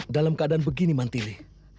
dalam keadaan begini mantili